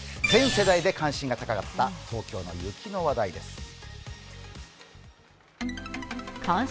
全世代で関心が高かった東京の雪の話題です。